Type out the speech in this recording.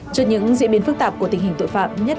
trước những diễn biến phức tạp của tình hình tội phạm nhất